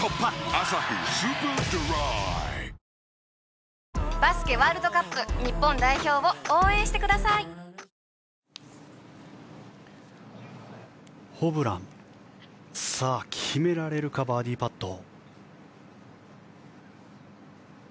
「アサヒスーパードライ」ホブラン、決められるかバーディーパット。